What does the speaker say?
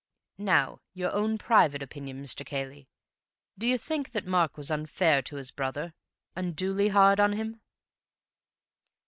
"Now your own private opinion, Mr. Cayley. Do you think that Mark was unfair to his brother? Unduly hard on him?"